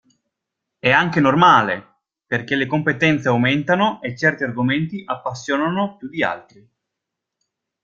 È anche normale, perché le competenze aumentano e certi argomenti appassionano più di altri.